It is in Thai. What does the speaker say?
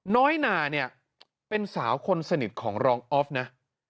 น้อยนาเนี่ยเป็นสาวคนสนิทของรองออฟนะ